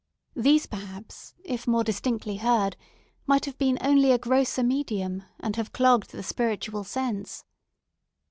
These, perhaps, if more distinctly heard, might have been only a grosser medium, and have clogged the spiritual sense.